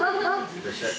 いらっしゃい。